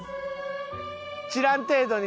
散らん程度に。